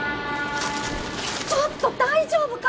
ちょっと大丈夫か！？